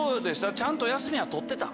ちゃんと休みは取ってた？